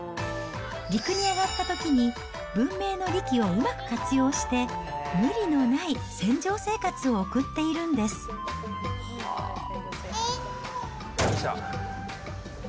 陸に上がったときに、文明の利器をうまく活用して、無理のない船上生活を送っているんよっしゃ！ＯＫ。